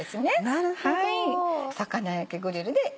なるほど。